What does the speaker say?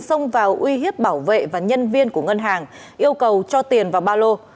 xông vào uy hiếp bảo vệ và nhân viên của ngân hàng yêu cầu cho tiền vào ba lô